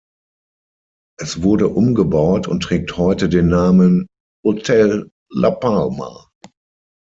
Es wurde umgebaut und trägt heute den Namen "Hotel La Palma".